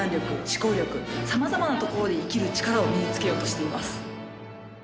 様々なところで生きる力を身につけようとしています。